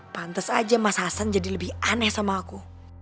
pantes aja mas hasan jadi lebih aneh sama aku